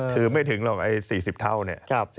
ถือไม่ถึงหรอก๔๐เท่า